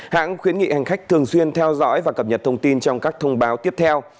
hãng khuyến nghị hành khách thường xuyên theo dõi và cập nhật thông tin trong các thông báo tiếp theo